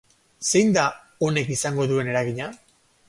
Zein da honek izango duen eragina?